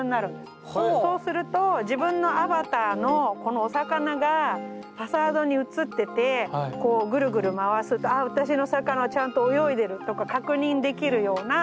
そうすると自分のアバターのこのお魚がファサードに映っててこうグルグル回すと「ああ私の魚はちゃんと泳いでる」とか確認できるような。